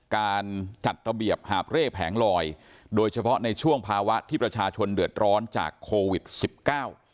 การจัดระเบียบหาบเร่แผงลอยโดยเฉพาะในช่วงภาวะที่ประชาชนเดือดร้อนจากโควิดสิบเก้า